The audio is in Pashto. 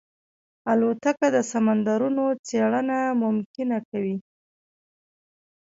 الوتکه د سمندرونو څېړنه ممکنه کوي.